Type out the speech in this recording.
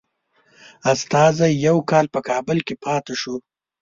استازی یو کال په کابل کې پاته شو.